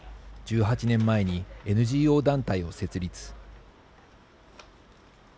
１８年前にＮＧＯ団体を設立。